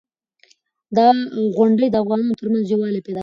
دا غونډې د افغانانو ترمنځ یووالی پیدا کوي.